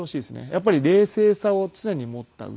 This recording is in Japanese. やっぱり冷静さを常に持った上で。